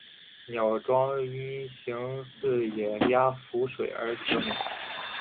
凫庄因形似野鸭浮水而得名。